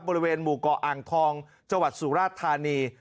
บริเวณหมู่เกาะอ่างทองจังหวัดสุราชธานี